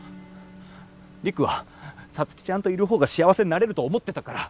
陸は皐月ちゃんといる方が幸せになれると思ってたから。